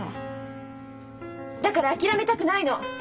だから諦めたくないの！